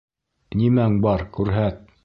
Нимәң бар, күрһәт.